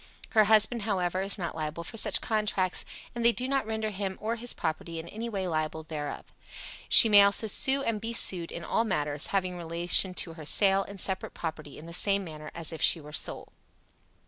Her husband, however, is not liable for such contracts, and they do not render him or his property in any way liable therefor. She may also sue and be sued in all matters having relation to her sale and separate property in the same manner as if she were sole.